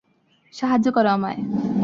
সাহায্য করো আমায়।